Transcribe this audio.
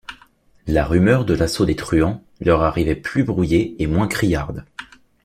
La rumeur de l’assaut des truands leur arrivait plus brouillée et moins criarde.